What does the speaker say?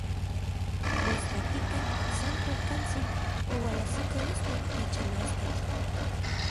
Mostlatika, san kualkantsin oualajsiko ostotl ichan astatl.